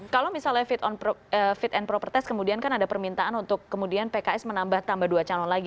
kalau misalnya fit and proper test kemudian kan ada permintaan untuk kemudian pks menambah tambah dua calon lagi